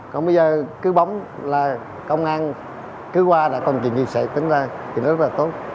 còn bây giờ cứ bấm là công an cứ qua đã còn chuyện gì xảy ra